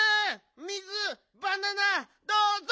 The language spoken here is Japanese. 水バナナどうぞ！